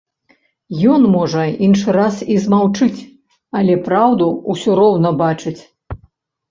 Ён, можа, іншы раз і змаўчыць, але праўду ўсё роўна бачыць.